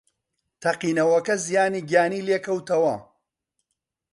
تەقینەوەکە زیانی گیانی لێکەوتەوە